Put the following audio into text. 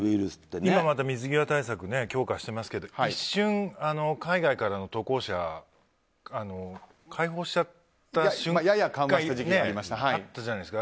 今また、水際対策強化していますけど一瞬、海外からの渡航者開放しちゃった瞬間があったじゃないですか。